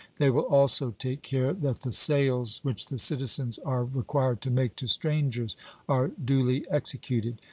They will also take care that the sales which the citizens are required to make to strangers are duly executed.